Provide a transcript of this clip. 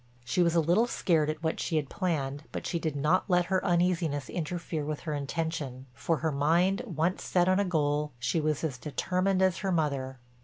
She was a little scared at what she had planned but she did not let her uneasiness interfere with her intention, for, her mind once set on a goal, she was as determined as her mother.